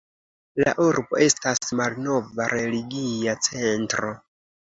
La urbo estas malnova religia centro.